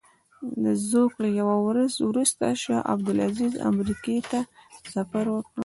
د زوکړې یوه ورځ وروسته شاه عبدالعزیز امریکې ته سفر وکړ.